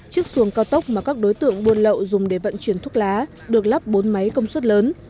chiếc xuồng cao tốc mà các đối tượng buôn lậu dùng để vận chuyển thuốc lá được lắp bốn máy công suất lớn